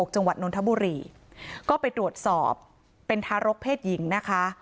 จังหวัดนนทบุรีก็ไปตรวจสอบเป็นทารกเพศหญิงนะคะ